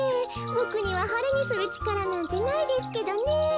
ボクにははれにするちからなんてないですけどねえ。